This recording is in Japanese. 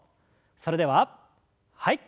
それでははい。